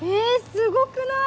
すごくない？